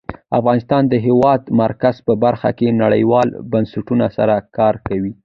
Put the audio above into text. افغانستان د د هېواد مرکز په برخه کې نړیوالو بنسټونو سره کار کوي.